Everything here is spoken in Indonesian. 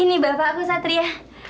ini bapakku satria